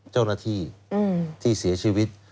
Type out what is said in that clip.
เจ้าหน้าที่ที่เสียชีวิต